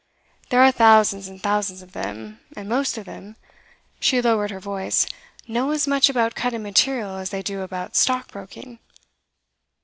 There are thousands and thousands of them, and most of them' she lowered her voice 'know as much about cut and material as they do about stockbroking.